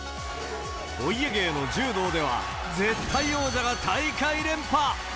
お家芸の柔道では、絶対王者が大会連覇。